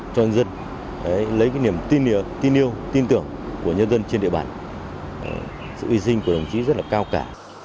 cho nhân dân lấy niềm tin yêu tin tưởng của nhân dân trên địa bàn sự hy sinh của đồng chí rất là cao cả